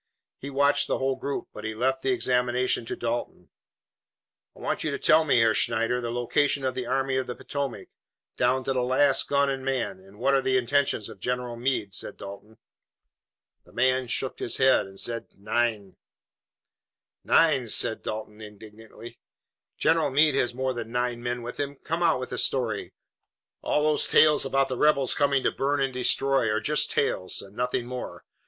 He watched the whole group, but he left the examination to Dalton. "I want you to tell me, Herr Schneider, the location of the Army of the Potomac, down to the last gun and man, and what are the intentions of General Meade," said Dalton. The man shook his head and said, "Nein." "Nine!" said Dalton indignantly. "General Meade has more than nine men with him! Come, out with the story! All those tales about the rebels coming to burn and destroy are just tales, and nothing more.